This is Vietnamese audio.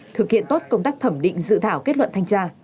thực hiện tốt công tác thẩm định dự thảo kết luận thanh tra